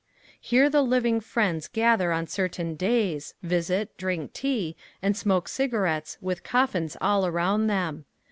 Here the living friends gather on certain days, visit, drink tea, and smoke cigarettes with coffins all around them.